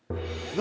何？